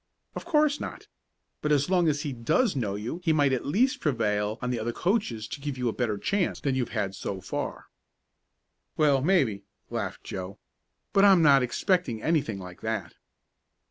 "Of course not. But as long as he does know you he might at least prevail on the other coaches to give you a better chance than you've had so far." "Well, maybe," laughed Joe. "But I'm not expecting anything like that."